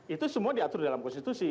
itu semua diatur dalam konstitusi